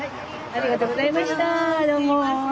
ありがとうございます。